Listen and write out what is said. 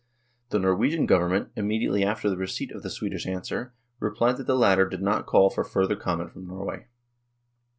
The Norwegian Government, immediately after the receipt of the Swedish answer, replied that the latter did not call for further comment from Norway.